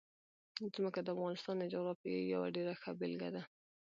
ځمکه د افغانستان د جغرافیې یوه ډېره ښه بېلګه ده.